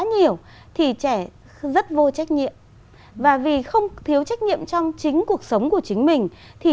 nhiều thì trẻ rất vô trách nhiệm và vì không thiếu trách nhiệm trong chính cuộc sống của chính mình thì